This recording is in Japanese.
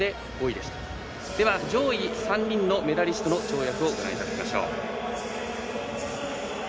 では上位３人のメダリストの跳躍をご覧いただきましょう。